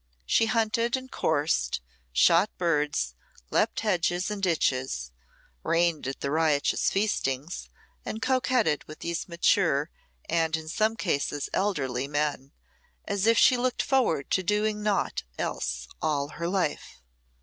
She hunted and coursed, shot birds, leaped hedges and ditches, reigned at the riotous feastings, and coquetted with these mature, and in some cases elderly, men, as if she looked forward to doing naught else all her life.